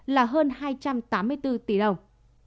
là hơn hai trăm tám mươi bốn tỷ đồng